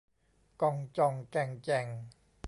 ก่องจ่องแก่งแจ่ง